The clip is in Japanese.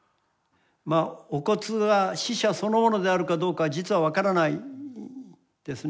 お骨が死者そのものであるかどうかは実は分からないですね。